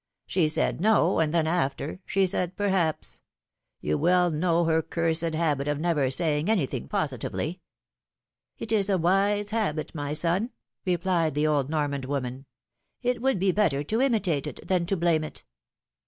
^^She said no, and then after, she said perhaps; you well know her cursed habit of never saying anything positively." ^'It is a wise habit, my son," replied the old Normand 34 PHILOMi:NE's MARRIAGES. woman ; it would be better to imitate it, than to blame it."